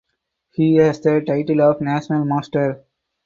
He has the title of National Master.